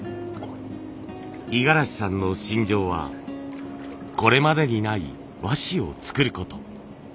五十嵐さんの信条はこれまでにない和紙を作ること。